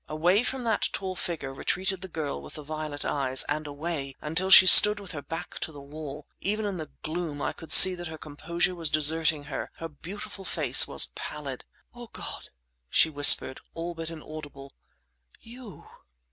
Away from that tall figure retreated the girl with the violet eyes—and away—until she stood with her back to the wall. Even in the gloom I could see that her composure was deserting her; her beautiful face was pallid. "Oh, God!" she whispered, all but inaudible—"You!"